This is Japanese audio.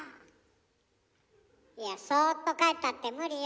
いやそっと帰ったって無理よ。